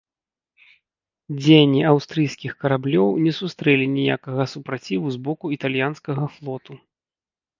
Дзеянні аўстрыйскіх караблёў не сустрэлі ніякага супраціву з боку італьянскага флоту.